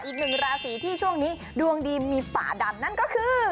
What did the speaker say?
อีกหนึ่งราศีที่ช่วงนี้ดวงดีมีป่าดังนั่นก็คือ